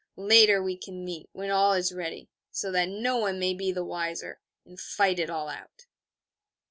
Later we can meet, when all is ready, so that no one may be the wiser, and fight it all out.'